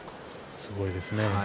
すごいですね。